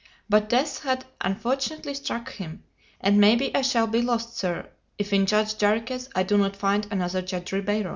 But death had unfortunately struck him, and maybe I shall be lost, sir, if in Judge Jarriquez I do not find another Judge Ribeiro."